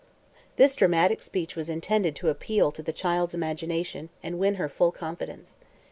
This dramatic speech was intended to appeal to the child's imagination and win her full confidence.